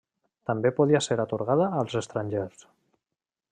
També podia ser atorgada als estrangers.